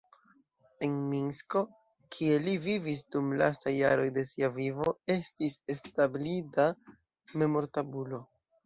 En Minsko, kie li vivis dum lastaj jaroj de sia vivo, estis establita memortabulo.